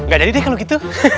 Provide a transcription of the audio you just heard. gak dari deh kalau gitu